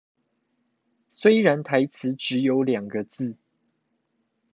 雖然台詞只有兩個字